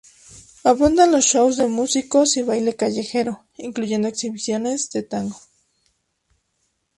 Abundan los shows de músicos y baile callejero, incluyendo exhibiciones de tango.